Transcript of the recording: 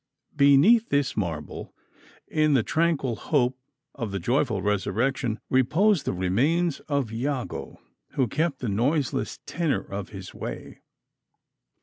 Beneath this marble, in the tranquil hope of a joyful resurrection, repose the remains of Iago, who kept the noiseless tenor of his way.